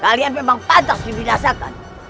kalian memang pantas diminasakan